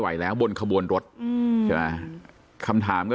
ไหวแล้วบนขบวนรถอืมใช่ไหมคำถามก็